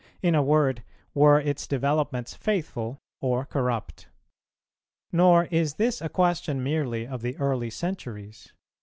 In a word, were its developments faithful or corrupt? Nor is this a question merely of the early centuries.